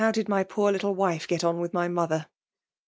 245 did my poor little wife get on with my mo« iher?"